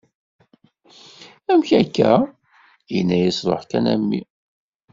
Amek akka? Yenna-as ruḥ kan a mmi.